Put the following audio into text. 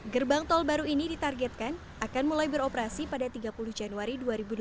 gerbang tol baru ini ditargetkan akan mulai beroperasi pada tiga puluh januari dua ribu delapan belas